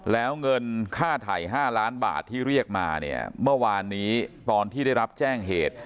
แล้วเงินค่าไถ่๕ล้านบาทที่เรียกมาเนี่ยเมื่อวานนี้ตอนที่ได้รับแจ้งเหตุ